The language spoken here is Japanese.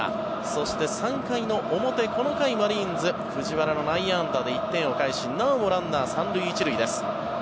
そして３回の表この回、マリーンズ藤原の内野安打で１点を返しなおもランナー３塁１塁です。